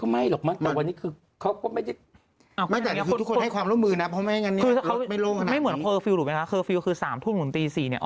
มันก็ไม่หรอกแต่วันนี้คือเขาก็ไม่ได้